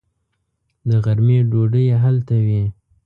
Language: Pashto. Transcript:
د غرمې ډوډۍ یې هلته وي.